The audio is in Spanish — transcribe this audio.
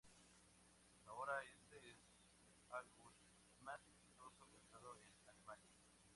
Hasta ahora, este es el álbum más exitoso realizado en Alemania.